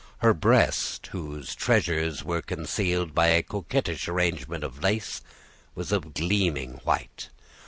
Her breast, whose treasures were concealed by a coquettish arrangement of lace, was of a gleaming white.